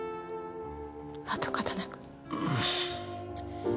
跡形なく。